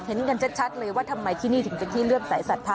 เห็นกันชัดเลยว่าทำไมที่นี่ถึงจะขี้เลื่อมสายศรัทธา